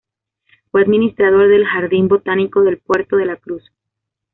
Fue administrador del Jardín Botánico del Puerto de la Cruz.